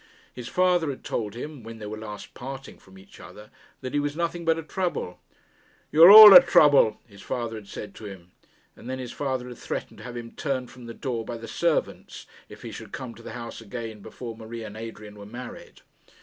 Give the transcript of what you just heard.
His father had told him, when they were last parting from each other, that he was nothing but a trouble. 'You are all trouble,' his father had said to him. And then his father had threatened to have him turned from the door by the servants, if he should come to the house again before Marie and Adrian were married.